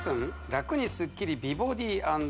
「ラクにスッキリ美ボディ＆」